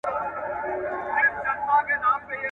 • بزه له لېوه تښتېده، د قصاب کره ئې شپه سوه.